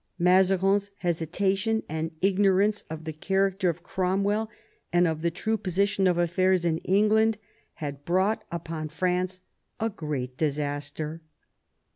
Mazarin's hesitation, and ignorance of the character of Cromwell, and of the true position of affairs in England, had brought upon France a great disaster.